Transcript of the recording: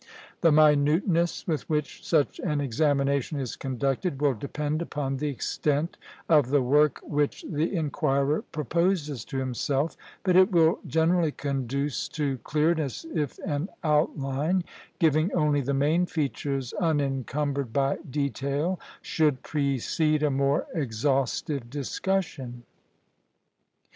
The minuteness with which such an examination is conducted will depend upon the extent of the work which the inquirer proposes to himself; but it will generally conduce to clearness if an outline, giving only the main features unencumbered by detail, should precede a more exhaustive discussion.